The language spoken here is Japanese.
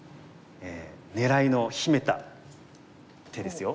狙いの秘めた手ですよ。